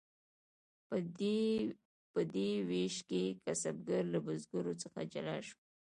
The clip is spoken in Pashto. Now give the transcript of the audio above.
په دې ویش کې کسبګر له بزګر څخه جلا شو.